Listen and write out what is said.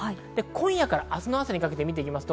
今夜から明日の朝にかけて見てきます。